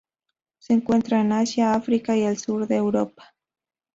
Se encuentra en Asia, África y el sur de Europa.